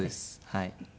はい。